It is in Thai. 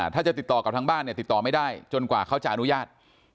ถ้าจะติดต่อกับทางบ้านเนี่ยติดต่อไม่ได้จนกว่าเขาจะอนุญาต